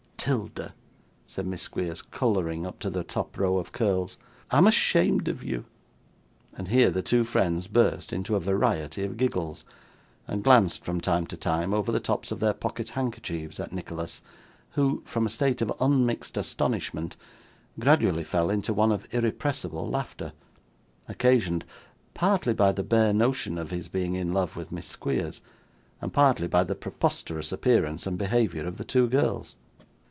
''Tilda,' said Miss Squeers, colouring up to the top row of curls, 'I am ashamed of you;' and here the two friends burst into a variety of giggles, and glanced from time to time, over the tops of their pocket handkerchiefs, at Nicholas, who from a state of unmixed astonishment, gradually fell into one of irrepressible laughter occasioned, partly by the bare notion of his being in love with Miss Squeers, and partly by the preposterous appearance and behaviour of the two girls.